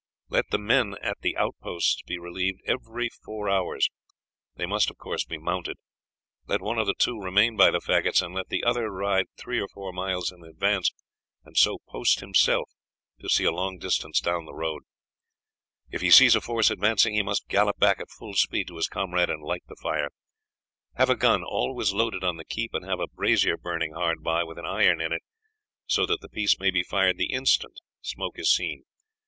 Let the men at the outposts be relieved every four hours. They must, of course, be mounted. Let one of the two remain by the faggots, and let the other ride three or four miles in advance, and so post himself as to see a long distance down the road. "If he sees a force advancing he must gallop back at full speed to his comrade, and light the fire. Have a gun always loaded on the keep, and have a brazier burning hard by, with an iron in it, so that the piece may be fired the instant smoke is seen.